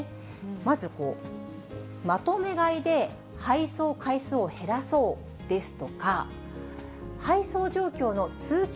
まず、まとめ買いで配送回数を減らそうですとか、配送状況の通知